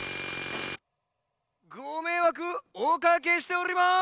ごめいわくおかけしております。